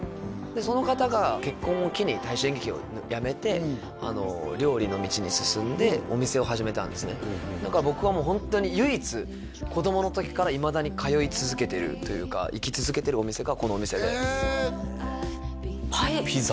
その方が結婚を機に大衆演劇をやめて料理の道に進んでお店を始めたんですねだから僕がもうホントに唯一子供の時からいまだに通い続けてるというか行き続けてるお店がこのお店でへえピザ？